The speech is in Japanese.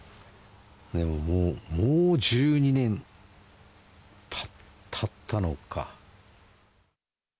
でももう１２年もたったのか。